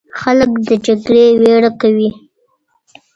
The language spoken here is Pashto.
خلک د جګړې ویره درلوده.